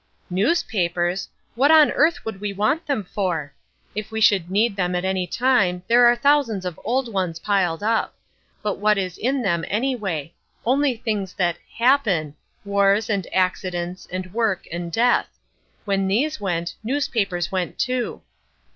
"Newspapers! What on earth would we want them for? If we should need them at any time there are thousands of old ones piled up. But what is in them, anyway; only things that happen, wars and accidents and work and death. When these went newspapers went too.